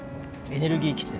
エネルギー基地。